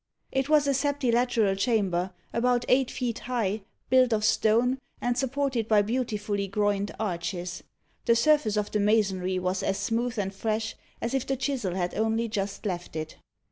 It was a septilateral chamber, about eight feet high, built of stone, and supported by beautifully groined arches. The surface of the masonry was as smooth and fresh as if the chisel had only just left it.